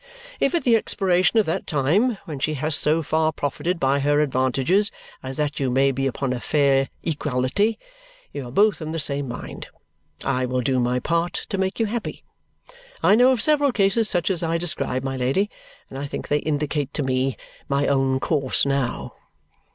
If at the expiration of that time, when she has so far profited by her advantages as that you may be upon a fair equality, you are both in the same mind, I will do my part to make you happy.' I know of several cases such as I describe, my Lady, and I think they indicate to me my own course now."